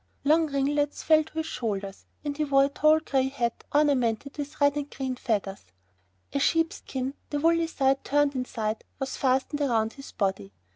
Long ringlets fell to his shoulders and he wore a tall gray hat ornamented with green and red feathers. A sheepskin, the woolly side turned inside, was fastened round his body.